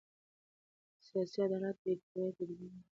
سیاسي عدالت بې پرې تطبیق غواړي